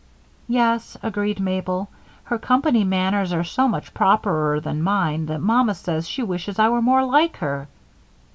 "Yes," agreed Mabel, "her company manners are so much properer than mine that Mother says she wishes I were more like her."